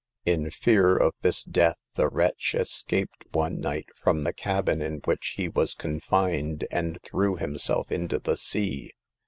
In fear of this death, the wretch escaped one night from the cabin in which he was confined, and threw himself into the sea.